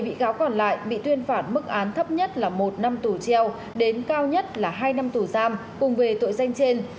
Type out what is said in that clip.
một bị cáo còn lại bị tuyên phạt mức án thấp nhất là một năm tù treo đến cao nhất là hai năm tù giam cùng về tội danh trên